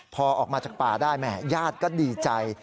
พอออกมาจากป่าได้แม่ญาติก็ดีใจ